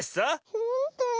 ほんとに？